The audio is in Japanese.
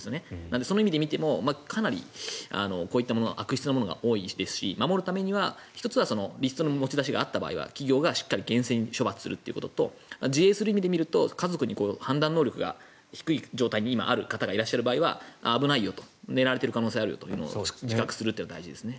その意味で見てもかなりこういったものは悪質なものが多いですし守るためには、１つはリストの持ち出しがあった場合は企業がしっかり厳正に処罰することと自衛する面で見ると家族に判断能力が低い場合が今ある方がいらっしゃる場合は危ないよ狙われている可能性があるよというのを自覚する必要があるということですね。